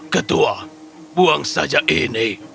ketua buang saja ini